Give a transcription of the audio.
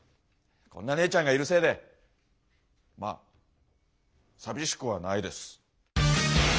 こんな姉ちゃんがいるせいでまあ寂しくはないです。